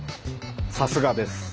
さすがです。